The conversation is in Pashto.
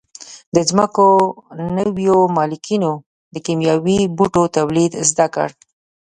د ځمکو نویو مالکینو د کیمیاوي بوټو تولید زده کړ.